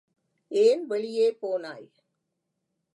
ஏன் வெளியே போனாய்?